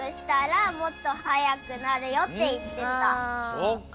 そっか！